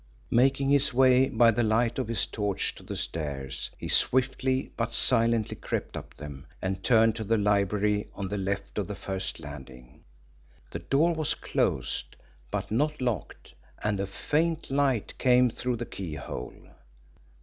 Making his way by the light of his torch to the stairs, he swiftly but silently crept up them and turned to the library on the left of the first landing. The door was closed but not locked, and a faint light came through the keyhole.